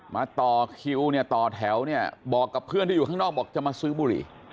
มาต่อกิวต่อแถวบอกเพื่อนที่อยู่ข้างนอกจะมาซื้อบุหรี่